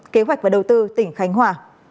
kế hoạch và đầu tư tỉnh khánh hòa